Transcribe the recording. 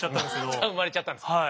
また生まれちゃったんですか。